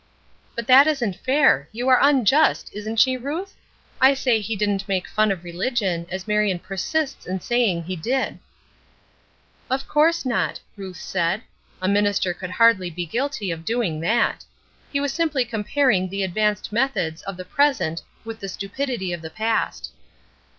"But that isn't fair. You are unjust, isn't she, Ruth? I say he didn't make fun of religion, as Marion persists in saying that he did." "Of course not," Ruth said. "A minister would hardly be guilty of doing that. He was simply comparing the advanced methods of the present with the stupidity of the past."